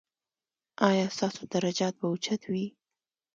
ایا ستاسو درجات به اوچت وي؟